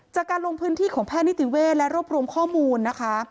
จากการลงพื้นที่ของแพทย์นิติเวศและรวบรวมข้อมูลนะคะ